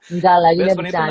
enggak lagi dia di tanya